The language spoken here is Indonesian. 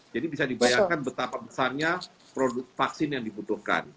jadi bisa dibayangkan betapa besarnya produk vaksin yang dibutuhkan